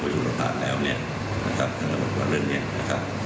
สุรทานแล้วเนี่ยนะครับท่านก็บอกว่าเรื่องนี้นะครับ